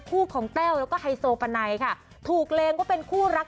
คู่ของแต้วแล้วก็ไฮโซปาไนค่ะถูกเลงว่าเป็นคู่รัก